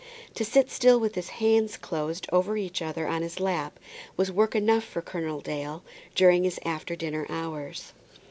To sit still, with his hands closed over each other on his lap, was work enough for Colonel Dale during his after dinner hours.